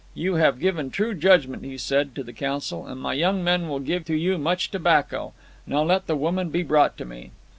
"You have given true judgment," he said to the council, "and my young men will give to you much tobacco. Now let the woman be brought to me."